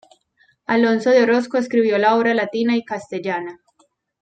Alonso de Orozco escribió obra latina y castellana.